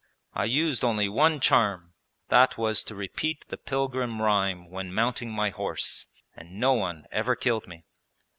I used only one charm: that was to repeat the Pilgrim rhyme when mounting my horse; and no one ever killed me!'